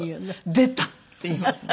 「出た！」って言いますね。